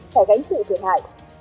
phải gánh chịu thiệt hại